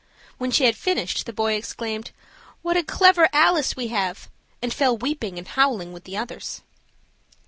When she had finished, the boy exclaimed, "What a clever Alice we have!" and fell weeping and howling with the others.